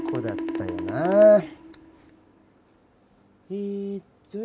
えっと